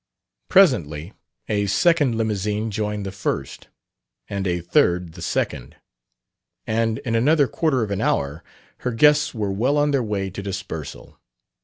Presently a second limousine joined the first, and a third the second; and in another quarter of an hour her guests were well on their way to dispersal.